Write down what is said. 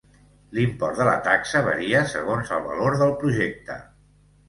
L'import de la taxa varia segons el valor del projecte.